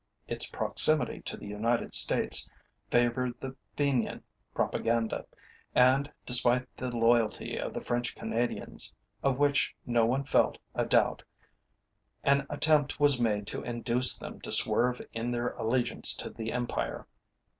Its proximity to the United States favoured the Fenian propaganda, and, despite the loyalty of the French Canadians of which no one felt a doubt an attempt was made to induce them to swerve in their allegiance to the Empire.